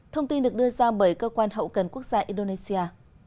thông tin được đưa ra bởi cơ quan hậu cần quốc gia indonesia